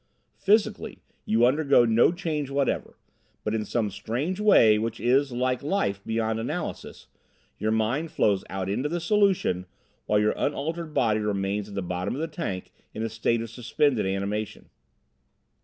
Physically you undergo no change whatever; but in some strange way which is, like life, beyond analysis, your mind flows out into the solution, while your unaltered body remains at the bottom of the tank in a state of suspended animation.